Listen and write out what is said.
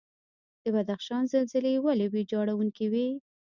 د بدخشان زلزلې ولې ویجاړونکې وي؟